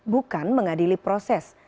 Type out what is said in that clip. bukan mengadili proses